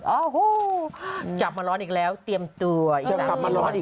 โอ้โฮกลับมาร้อนอีกแล้วเตรียมตัวอีก๓๐วัน